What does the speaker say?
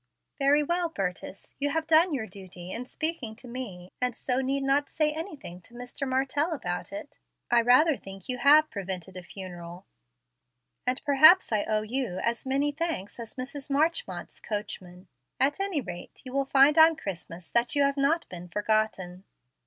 "Very well, Burtis; you have done your duty in speaking to me, and so need not say anything to Mr. Martell about it. I rather think you have prevented a funeral, and perhaps I owe you as many thanks as Mrs. Marchmont's coachman. At any rate you will find on Christmas that you have not been forgotten."